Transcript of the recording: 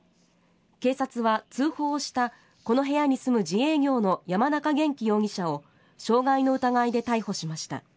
警察は、通報したこの部屋に住む自営業の山中元稀容疑者を傷害の疑いで逮捕しました。